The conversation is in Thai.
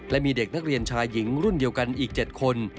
และมีเด็กนักเรียนชายหญิงรุ่นเดียวกันอีก๗คน